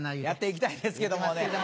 やって行きたいですけどもね。